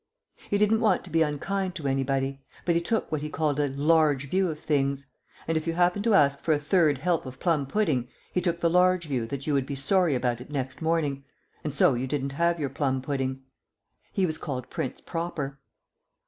He didn't want to be unkind to anybody, but he took what he called a "large view" of things; and if you happened to ask for a third help of plum pudding he took the large view that you would be sorry about it next morning and so you didn't have your plum pudding. He was called Prince Proper.